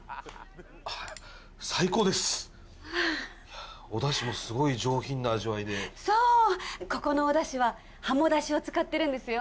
はい最高ですおだしもすごい上品な味わいでそうここのおだしは鱧だしを使ってるんですよ